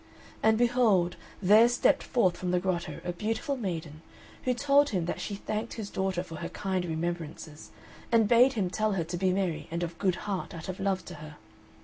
And behold, there stepped forth from the grotto a beautiful maiden, who told him that she thanked his daughter for her kind remembrances, and bade him tell her to be merry and of good heart out of love to her.